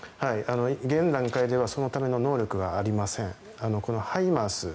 現段階ではそのための能力がありません。